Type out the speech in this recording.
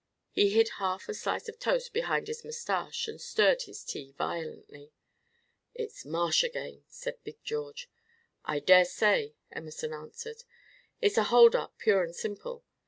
He hid half a slice of toast behind his mustache and stirred his tea violently. "It's Marsh again," said Big George. "I dare say," Emerson answered. "It's a hold up pure and simple.